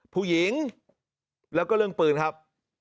ผู้หญิงแล้วก็เรื่องปืนครับ